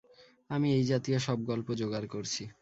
আমি এইজাতীয় সব গল্প জোগাড় করছি।